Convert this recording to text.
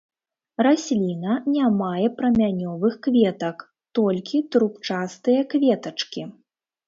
Расліна не мае прамянёвых кветак, толькі трубчастыя кветачкі.